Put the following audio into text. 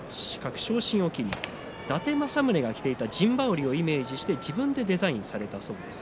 昇進を機に伊達政宗が着ていた陣羽織をイメージして自分でデザインされたそうです。